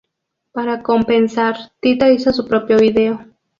Para compensar, Tito hizo su propio video.